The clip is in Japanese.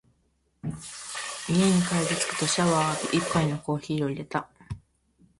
家に帰りつくとシャワーを浴び、一杯のコーヒーを淹れた。